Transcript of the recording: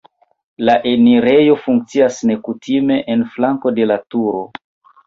La enirejo funkcias nekutime en flanko de la turo.